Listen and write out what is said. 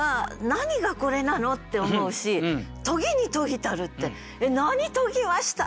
「何がこれなの？」って思うし「研ぎに研ぎたる」って「えっ何研ぎました？」って